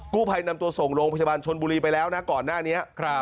ภัยนำตัวส่งโรงพยาบาลชนบุรีไปแล้วนะก่อนหน้านี้